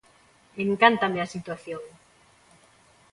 Encántame a situación.